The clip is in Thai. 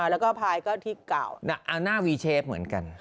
แล้วก็พายก็ที่เก่าเอาหน้าวีเชฟเหมือนกัน